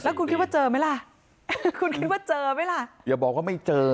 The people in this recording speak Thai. คุณคิดว่าเจอไหมล่ะคุณคิดว่าเจอไหมล่ะอย่าบอกว่าไม่เจอ